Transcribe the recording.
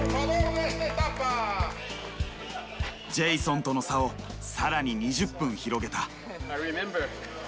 ジェイソンとの差を更に２０分広げた。